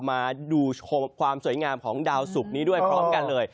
มาดูชมความสวยงามของดาวศุกร์นี้ด้วยพร้อมกันเลย